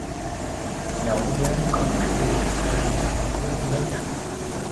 Nỗi nhớ còn mãnh liệt hơn Lúc mới gặp